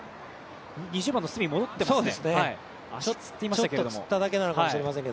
２０番の角、戻ってますね。